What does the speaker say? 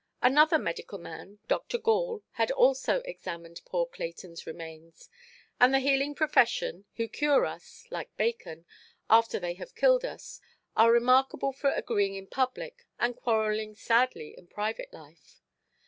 Another medical man, Dr. Gall, had also examined poor Claytonʼs remains; and the healing profession, who cure us (like bacon) after they have killed us, are remarkable for agreeing in public, and quarrelling sadly in private life.